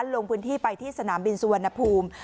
ลงพื้นที่ไปที่สนามบินสุวรรณภูมิ